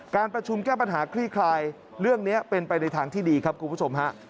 การประชุมแก้ปัญหาคลี่คลายเรื่องนี้เป็นไปในทางที่ดีครับคุณผู้ชมฮะ